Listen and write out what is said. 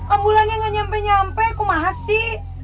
ambulannya gak nyampe nyampe kok mahasis